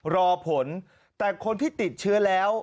รอผลแต่คนที่ติดเชื้อแล้ว